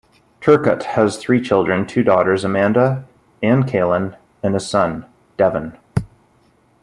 Turcotte has three children, two daughters, Amanda and Kaylyn and a son, Devan.